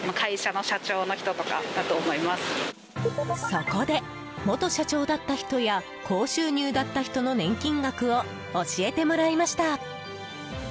そこで、元社長だった人や高収入だった人の年金額を教えてもらいました。